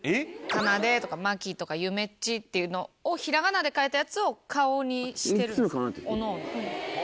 「かなで」とか「まき」とか「ゆめっち」っていうのを平仮名で書いたやつを顔にしてるんですおのおの。